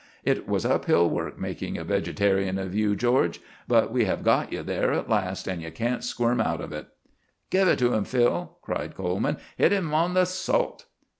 It was uphill work making a vegetarian of you, George; but we have got you there at last, and you can't squirm out of it." "Give it to him, Phil!" cried Coleman. "Hit him on the salt!"